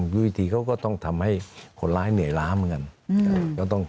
วิธีเขาก็ต้องทำให้คนร้ายเหนื่อยล้าเหมือนกัน